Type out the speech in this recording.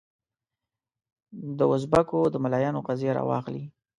دوزبکو د ملایانو قضیه راواخلې.